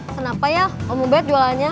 kenapa ya omobet jualannya